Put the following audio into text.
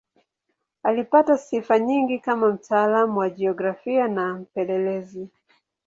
Alipata sifa nyingi kama mtaalamu wa jiografia na mpelelezi.